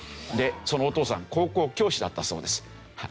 でそのお父さん高校教師だったそうです。